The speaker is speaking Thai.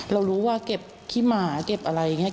เรารู้ว่าเก็บขี้หมาเก็บอะไรอย่างนี้